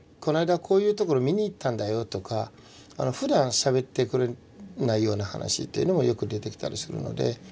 こういうところ見にいったんだよとかふだんしゃべってくれないような話っていうのもよく出てきたりするので。